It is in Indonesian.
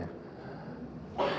apa sih otopsi itu sebenarnya